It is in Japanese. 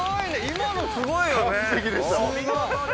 今のすごいよね。